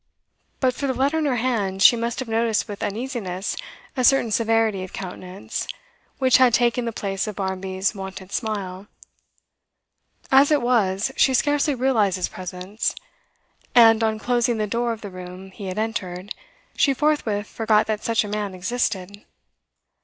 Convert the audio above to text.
But for the letter in her hand she must have noticed with uneasiness a certain severity of countenance, which had taken the place of Barmby's wonted smile. As it was, she scarcely realised his presence; and, on closing the door of the room he had entered, she forthwith forgot that such a man existed.